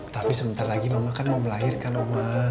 tapi sebentar lagi mama kan mau melahirkan rumah